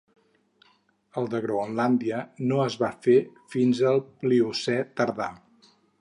El de Groenlàndia no es va fer fins al Pliocè tardà.